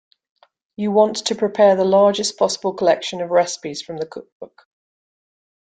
You want to prepare the largest possible collection of recipes from the cook-book.